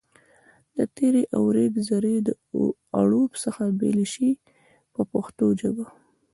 د تېږې او ریګ ذرې له اړوب څخه بېلې شي په پښتو ژبه.